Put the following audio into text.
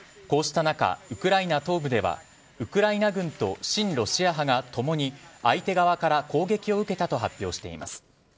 こうした中、ウクライナ東部ではウクライナ軍と親ロシア派がともに相手側から攻撃を受けたと発表しています。